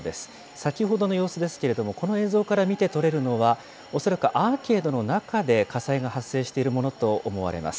先ほどの様子ですけれども、この映像から見て取れるのは、恐らくアーケードの中で火災が発生しているものと思われます。